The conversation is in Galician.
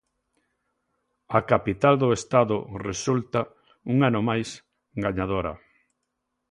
A capital do Estado resulta, un ano máis, gañadora.